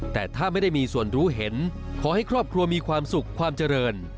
แต่ถ้าไม่ได้มีส่วนรู้เห็นขอให้ครอบครัวมีความสุขความเจริญ